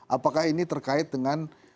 apakah ini terkait dengan